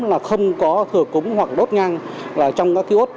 là không có thừa cúng hoặc đốt nhang trong các ký ốt